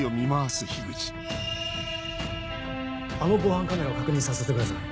あの防犯カメラを確認させてください。